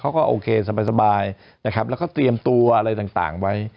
เขาก็โอเคสบายนะครับแล้วก็เตรียมตัวอะไรต่างไว้